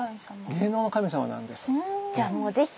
芸能の神様なんです。